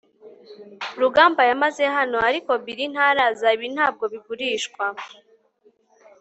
rugamba yamaze hano, ariko bill ntaraza. ibi ntabwo bigurishwa